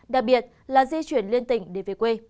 đặc biệt là di chuyển liên tỉnh để về quê